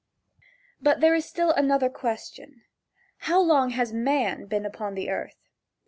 But there is still another question. How long has man been upon the earth?